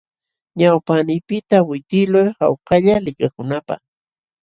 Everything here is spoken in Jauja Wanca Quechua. Ñawpaqniiypiqta witiqluy hawkalla likakunaapaq.